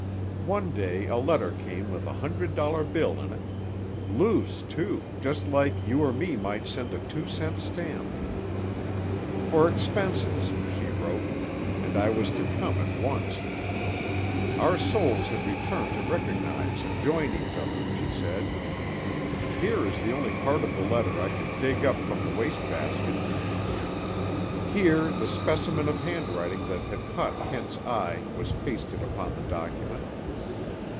One day a letter came with a hundred dollar bill in it. Loose, too, just like you or me might send a two cent stamp. 'For expenses', she wrote, and I was to come at once. Our souls had returned to recognize and join each other, she said. Here is the only part of the letter I could dig up from the waste basket: Here the specimen of handwriting that had caught Kent's eye was pasted upon the document.